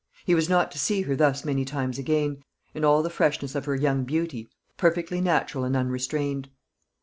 He was not to see her thus many times again, in all the freshness of her young beauty, perfectly natural and unrestrained.